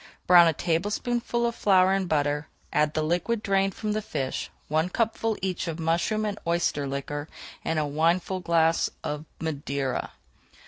Brown a tablespoonful of flour in butter, add the liquid drained from the fish, one cupful each of mushroom and oyster liquor, and a wineglassful of Madeira.